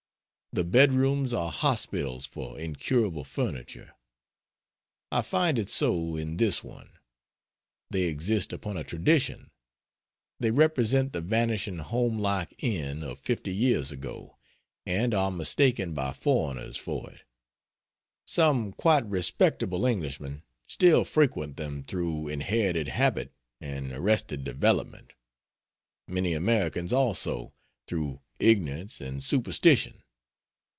The bedrooms are hospitals for incurable furniture. I find it so in this one. They exist upon a tradition; they represent the vanishing home like inn of fifty years ago, and are mistaken by foreigners for it. Some quite respectable Englishmen still frequent them through inherited habit and arrested development; many Americans also, through ignorance and superstition.